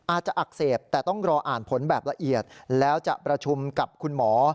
อักเสบแต่ต้องรออ่านผลแบบละเอียดแล้วจะประชุมกับคุณหมอ